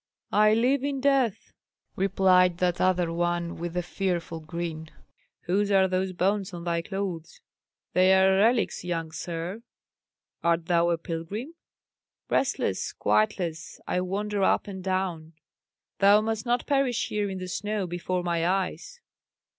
"I live in death," replied that other one with a fearful grin. "Whose are those bones on thy clothes?" "They are relics, young sir." "Art thou a pilgrim?" "Restless, quietless, I wander up and down." "Thou must not perish here in the snow before my eyes."